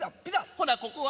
ほなここは？